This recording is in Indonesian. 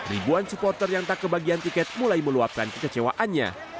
ribuan supporter yang tak kebagian tiket mulai meluapkan kekecewaannya